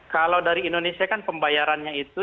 kalau dari indonesia kan pembayarannya itu